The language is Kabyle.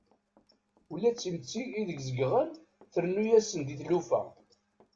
Ula d timetti ideg zegɣen trennu-asen-d tilufa.